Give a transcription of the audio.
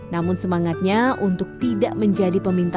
namun semangatnya untuk tidak menjadi pemimpin